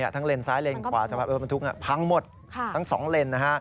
ทั้งเลนซ้ายเลนขวาสำหรับรถบรรทุกพังหมดทั้งสองเลน